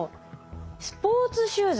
スポーツシューズ。